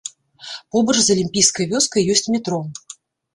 Побач з алімпійскай вёскай ёсць метро.